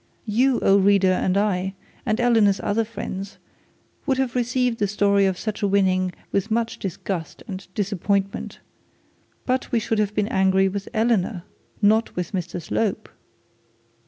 You, O reader, and I, and Eleanor's other friends would have received the story of such a winning with much disgust and disappointment; but we should have been angry with Eleanor, not with Mr Slope.